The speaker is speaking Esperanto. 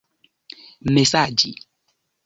mesaĝi